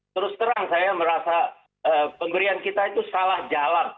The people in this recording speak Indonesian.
terus terang saya merasa pemberian kita itu salah jalan